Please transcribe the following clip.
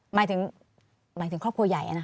หมายถึงหมายถึงครอบครัวใหญ่